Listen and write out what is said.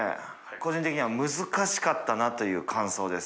個人的には難しかったなという感想です。